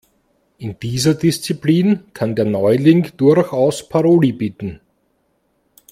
In dieser Disziplin kann der Neuling durchaus Paroli bieten.